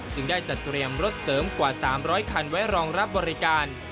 ได้จัดเตรียมรถเสริมกว่า๓๐๐คันไว้รองรับบริการ